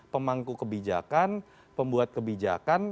pemangku kebijakan pembuat kebijakan